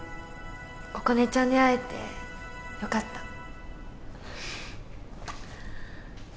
心音ちゃんに会えてよかった。